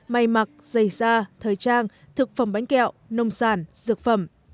may mặc giày da thời trang thực phẩm bánh kẹo nông sản dược phẩm